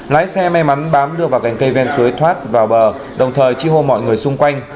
lái xe may mắn bám đưa vào cành cây ven suối thoát vào bờ đồng thời chi hô mọi người xung quanh